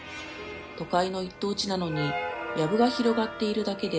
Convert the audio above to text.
「都会の一等地なのにやぶが広がっているだけで」